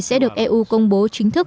sẽ được eu công bố chính thức